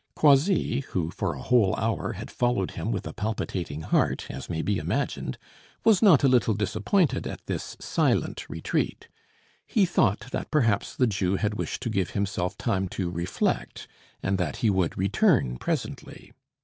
Croisilles, who for a whole hour had followed him with a palpitating heart, as may be imagined, was not a little disappointed at this silent retreat. He thought that perhaps the Jew had wished to give himself time to reflect and that he would return presently.